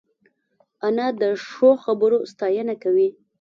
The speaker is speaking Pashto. انا د ښو خبرو ستاینه کوي